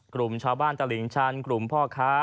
กลุ่มชาวบ้านตลิ่งชันกลุ่มพ่อค้า